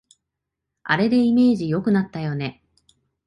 あれでイメージ良くなったよね